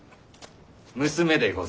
娘でござる。